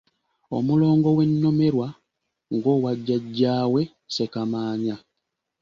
Omulongo we Nnomerwa ng'owa jjajjaawe Ssekamaanya.